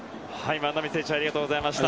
万波選手ありがとうございました。